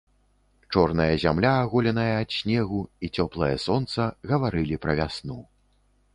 Чорная зямля, аголеная ад снегу, і цёплае сонца гаварылі пра вясну.